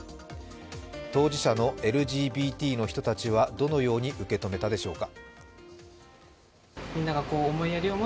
当事者のＬＧＢＴの人たちはどのように受け止めたでしょうか。